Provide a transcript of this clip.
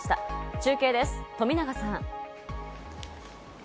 中継です、富永さん。